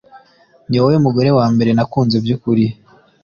Niwowe mugore wambere nakunze byukuri